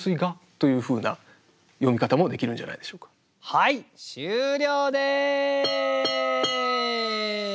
はい終了です！